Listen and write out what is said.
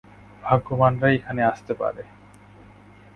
ভাগ্যবানরাই এখানে আসতে পারে।